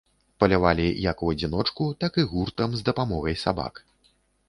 Палявалі як у адзіночку, так і гуртам, з дапамогай сабак.